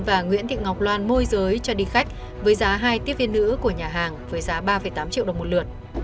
và nguyễn thị ngọc loan môi giới cho đi khách với giá hai tiếp viên nữ của nhà hàng với giá ba tám triệu đồng một lượt